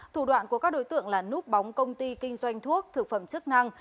thủ đoạn của các đối tượng là núp bóng công ty kinh doanh thuốc thực phẩm chức năng